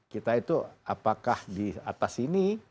kita itu apakah di atas sini